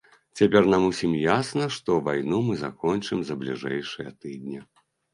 Цяпер нам усім ясна, што вайну мы закончым за бліжэйшыя тыдні.